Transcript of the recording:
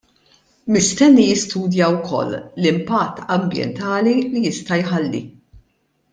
Mistenni jistudja wkoll l-impatt ambjentali li jista' jħalli.